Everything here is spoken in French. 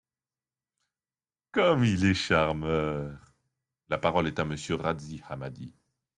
(Sourires.) Comme il est charmeur ! La parole est à Monsieur Razzy Hammadi.